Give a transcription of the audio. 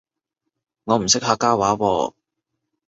我唔識客家話喎